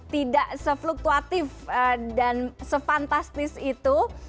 tidak sefluktuatif dan se fantastis itu